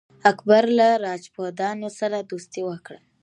اکبر له راجپوتانو سره دوستي وکړه.